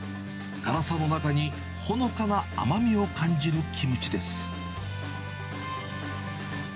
辛さの中にほのかな甘みを感じるキムチです。